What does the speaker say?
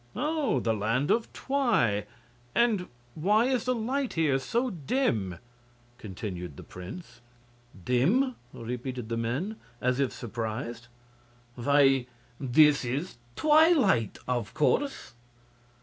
"Oh! the Land of Twi. And why is the light here so dim?" continued the prince. "Dim?" repeated the men, as if surprised; "why, this is twilight, of course."